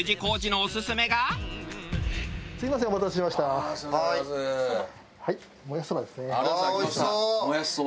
おいしそう！